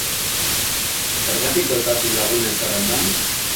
Zergatik daukazu lagunen zerrendan?